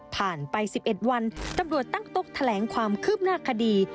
ไป๑๑วันตำรวจตั้งโต๊ะแถลงความคืบหน้าคดี